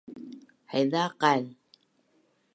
Haiza kaan